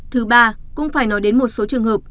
thứ ba cũng phải nói đến một số trường hợp